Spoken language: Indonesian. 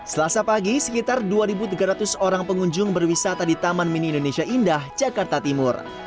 selasa pagi sekitar dua tiga ratus orang pengunjung berwisata di taman mini indonesia indah jakarta timur